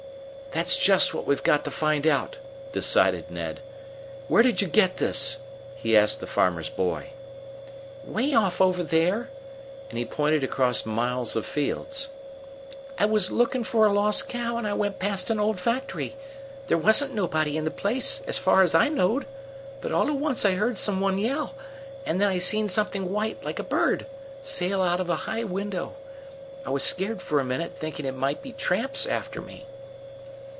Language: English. "That's just what we've got to find out," decided Ned. "Where did you get this?" he asked the farmer's boy. "Way off over there," and he pointed across miles of fields. "I was lookin' for a lost cow, and I went past an old factory. There wasn't nobody in the place, as far as I knowed, but all at once I heard some one yell, and then I seen something white, like a bird, sail out of a high window. I was scared for a minute, thinkin' it might be tramps after me."